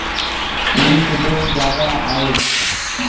ائيٚݩ سڌو اُئي جآڳآ آيو۔